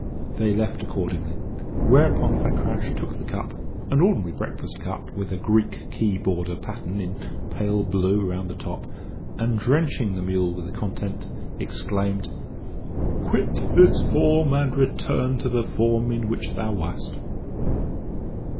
They left accordingly; whereupon Fakrash took the cup an ordinary breakfast cup with a Greek key border pattern in pale blue round the top and, drenching the mule with the contents, exclaimed, "Quit this form and return to the form in which thou wast!"